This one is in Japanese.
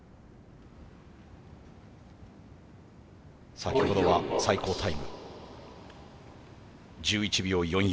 先ほどは最高タイム１１秒４４。